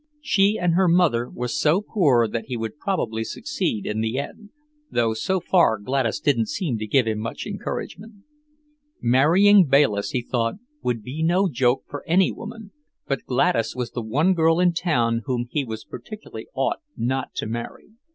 She and her mother were so poor that he would probably succeed in the end, though so far Gladys didn't seem to give him much encouragement. Marrying Bayliss, he thought, would be no joke for any woman, but Gladys was the one girl in town whom he particularly ought not to marry.